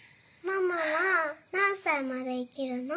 ママは何歳まで生きるの？